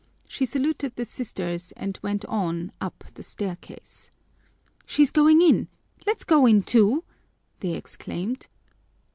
She saluted the Sisters and went on up the stairway. "She's going in! Let's go in too!" they exclaimed.